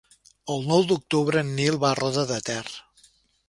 El nou d'octubre en Nil va a Roda de Ter.